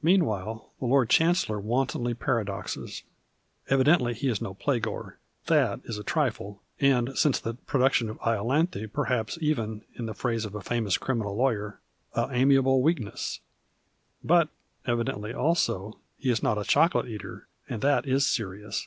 Meanwhile the Lord Chancellor wantonly para doxes. Evidently he is no playgoer. That is a trifle, and since the production of lolanihe perhaps even (in the phrase of a famous criminal la\\yer) " a amiable weakness." But, evidently also, he is not a chocolate eater, and that is serious.